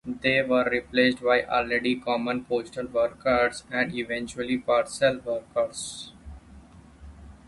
They were replaced by already common Postal Workers and eventually Parcel Workers.